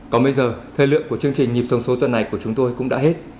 còn bây giờ thời lượng của chương trình nhịp sông số tuần này của chúng tôi cũng đã hết